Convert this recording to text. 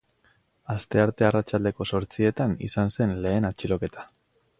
Astearte arratsaldeko zortzietan izan zen lehen atxiloketa.